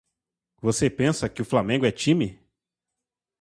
Você pensa que o flamengo é time?